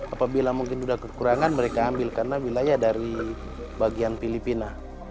apabila mungkin sudah kekurangan mereka ambil karena wilayah dari bagian filipina